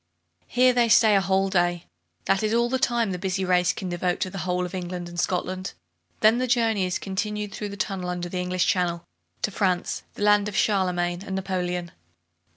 Here they stay a whole day. That is all the time the busy race can devote to the whole of England and Scotland. Then the journey is continued through the tunnel under the English Channel, to France, the land of Charlemagne and Napoleon.